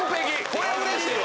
これうれしいわ。